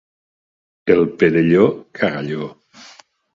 El Perelló, cagalló.